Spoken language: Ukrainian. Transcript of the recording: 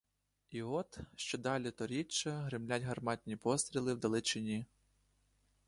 І от — що далі, то рідше гримлять гарматні постріли в далечині.